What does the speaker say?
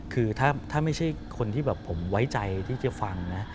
คือถ้าไม่ใช่คนที่แบบผมไว้ใจที่จะฟังนะ